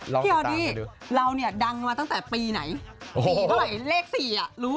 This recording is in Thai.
คงเล่น๒๐ปีพอดีเลย